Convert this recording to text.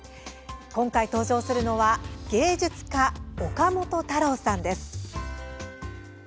今回、登場するのは芸術家、岡本太郎さんです。